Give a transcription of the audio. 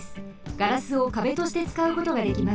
ガラスを壁としてつかうことができます。